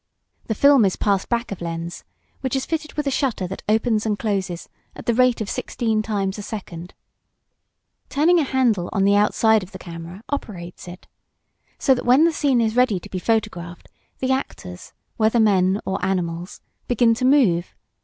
The film is passed back of lens, which is fitted with a shutter that opens and closes at the rate of sixteen times a second. Turning a handle on the outside of the camera operates it. So that when the scene is ready to be photographed the actors, whether men or animals, begin to move.